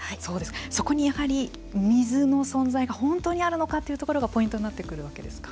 そこにやはり水の存在が本当にあるのかというところがポイントになってくるわけですか。